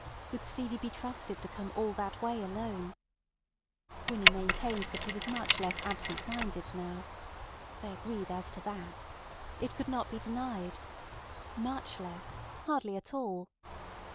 Could Stevie be trusted to come all that way alone? Winnie maintained that he was much less "absent minded" now. They agreed as to that. It could not be denied. Much less—hardly at all.